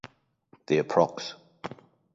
The approx.